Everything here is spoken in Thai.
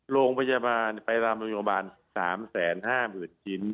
โรงพยาบาลไปตามโรงพยาบาลสามแสนห้าหมื่นจิ้น